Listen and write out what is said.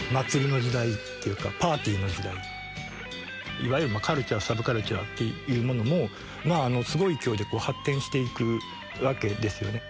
いわゆるカルチャーサブカルチャーっていうものもまあすごい勢いでこう発展していくわけですよね。